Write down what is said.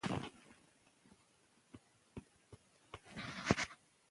هغه د خپل پلار په څېر د خپلواکۍ مینه وال و.